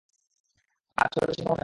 আর চোরের চিন্তাভাবনা কি?